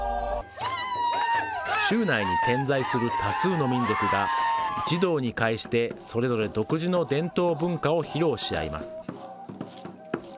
州内に点在する多数の民族が、一堂に会してそれぞれ独自の伝統文化を披露し合います。